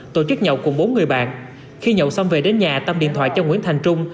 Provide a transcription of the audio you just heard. tổ chức nhậu cùng bốn người bạn khi nhậu xong về đến nhà tâm điện thoại cho nguyễn thành trung